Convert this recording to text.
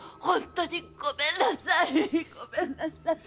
本当にごめんなさい！